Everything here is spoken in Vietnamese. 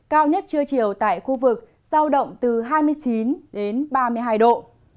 cao nhất trưa chiều tại khu vực giao động từ hai mươi chín đến ba mươi hai độ